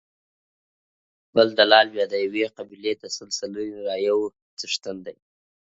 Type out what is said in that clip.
بل دلال بیا د یوې قبیلې د سل سلنې رایو څښتن دی.